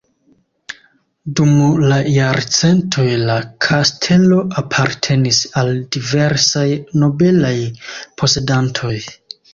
Dum la jarcentoj la kastelo apartenis al diversaj nobelaj posedantoj.